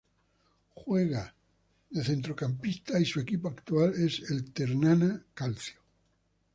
Juega de centrocampista y su equipo actual es el Ternana Calcio.